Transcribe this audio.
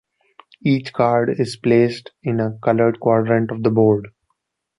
Each card is placed in a colored quadrant of the board.